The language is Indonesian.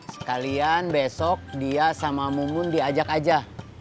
sekalian besok dia sama mumun diajak aja